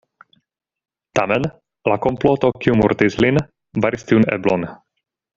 Tamen, la komploto, kiu murdis lin, baris tiun eblon.